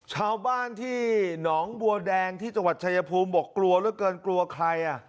ชาวบ้านที่หนองบัวแดงที่จังหวัดชายภูมิบอกกลัวเหลือเกินกลัวใครอ่ะ